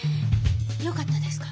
よかったですか？